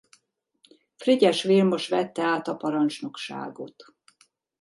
Frigyes Vilmos vette át a parancsnokságot.